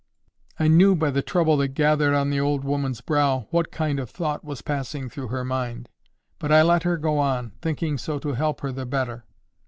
I knew by the trouble that gathered on the old woman's brow what kind of thought was passing through her mind. But I let her go on, thinking so to help her the better.